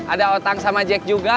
ada otang sama jack juga